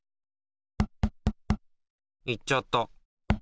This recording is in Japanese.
いっちゃった。